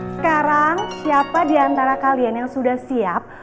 sekarang siapa diantara kalian yang sudah siap